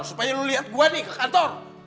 supaya lo liat gue nih ke kantor